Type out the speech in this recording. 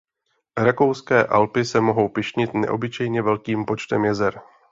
Rakouské Alpy se mohou pyšnit neobyčejně velkým počtem jezer.